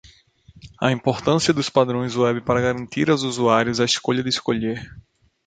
A importância dos padrões web para garantir aos usuários a escolha de escolher.